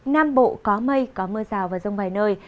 nam bộ có mây có mưa rào và rông vài nơi